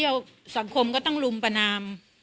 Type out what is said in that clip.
กินโทษส่องแล้วอย่างนี้ก็ได้